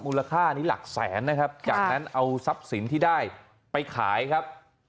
มูลค่านี้หลักแสนนะครับจากนั้นเอาทรัพย์สินที่ได้ไปขายครับ